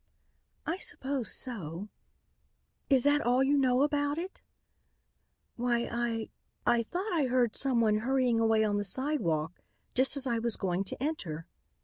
"I suppose so." "Is that all you know about it?" "Why, I I thought I heard someone hurrying away on the sidewalk just as I was going to enter."